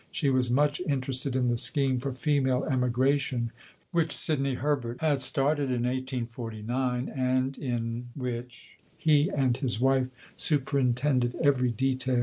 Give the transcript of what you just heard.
She was much interested in the scheme for Female Emigration, which Sidney Herbert had started in 1849, and in which he and his wife superintended every detail.